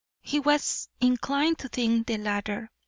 He was inclined to think the latter.